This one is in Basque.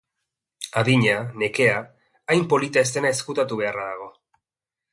Adina, nekea, hain polita ez dena ezkutatu beharra dago.